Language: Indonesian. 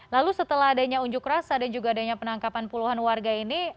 lalu setelah adanya unjuk rasa dan juga adanya penangkapan puluhan warga ini